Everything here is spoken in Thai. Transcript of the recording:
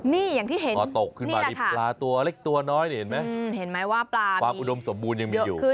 นี่ไงอ๋อตกขึ้นมาลิบปลาตัวเล็กตัวน้อยนี่เห็นไหมความอุดมสมบูรณ์ยังมีอยู่